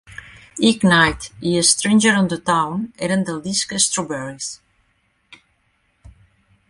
"Ignite" i "Stranger on the Town" eren del disc "Strawberries".